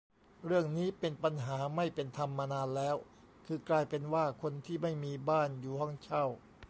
เรื่องนี้เป็นปัญหาไม่เป็นธรรมมานานแล้ว คือกลายเป็นว่า คนที่ไม่มีบ้าน อยู่ห้องเช่า